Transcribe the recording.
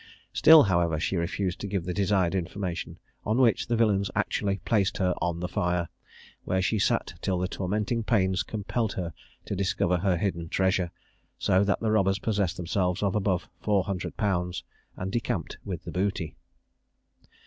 Still, however, she refused to give the desired information: on which the villains actually placed her on the fire, where she sat till the tormenting pains compelled her to discover her hidden treasure; so that the robbers possessed themselves of above four hundred pounds, and decamped with the booty."